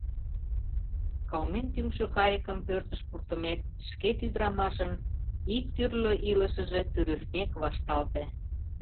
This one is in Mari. Кылмен тӱҥшӧ кайыкым пӧртыш пуртымек, шкет ӱдырамашын иктӱрлӧ илышыже тӱрыснек вашталте.